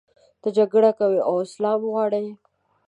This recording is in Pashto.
ته جګړه کوې او اسلام غواړې.